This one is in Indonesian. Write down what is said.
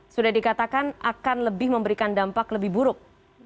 sudah dikatakan akan lebih memberikan dampak lebih buruk